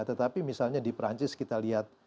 tetapi misalnya di perancis kita lihat